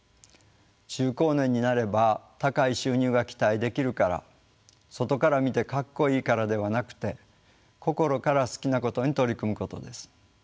中高年になれば「高い収入が期待できるから」「外から見てかっこいいから」ではなくて心から好きなことに取り組むことです。